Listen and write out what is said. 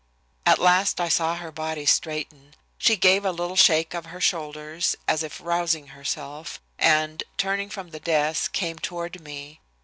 At last I saw her body straighten. She gave a little shake of her shoulders, as if rousing herself, and, turning from the desk, came toward me.